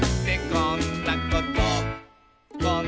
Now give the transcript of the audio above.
「こんなこと」